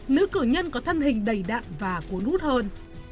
nữ cử nhân có thân hình đầy đạn và cuốn hút hơn